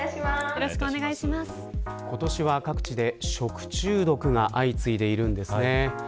今年は各地で食中毒が相次いでいるんですね。